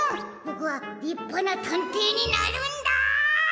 ボクはりっぱなたんていになるんだ！